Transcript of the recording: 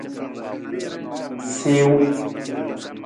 Siwung.